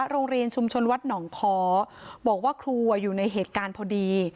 โรงเรียนชุมชนวัดหนองค้อบอกว่าครูอยู่ในเหตุการณ์พอดี